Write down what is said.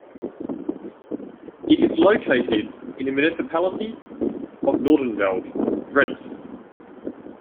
It is located in the municipality of Noordenveld, Drenthe.